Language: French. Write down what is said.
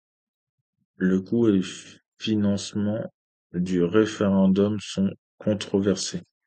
Le coût et le financement du référendum sont controversés.